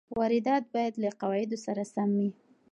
واردات باید له قواعدو سره سم وي.